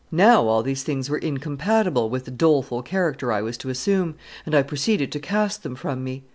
Now all these things were incompatible with the doleful character I was to assume, and I proceeded to cast them from me.